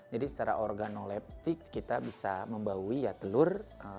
jadi secara organoleptik kita bisa membaui ya telur wajarnya seperti ini